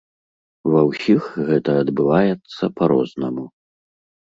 Ва ўсіх гэта адбываецца па-рознаму.